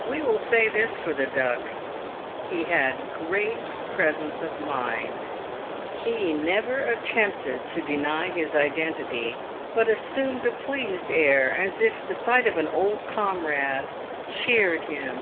We will say this for the Duck : he had great presence of mind. He 342 PAYED WITH GOLD. never attempted to deny his identity, but assumed a pleased air, as if the sight of an old comrade cheered him.